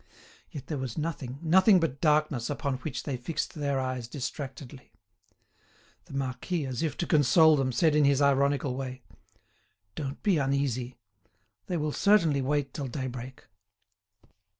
Yet there was nothing, nothing but darkness upon which they fixed their eyes distractedly. The marquis, as if to console them, said in his ironical way: "Don't be uneasy! They will certainly wait till daybreak."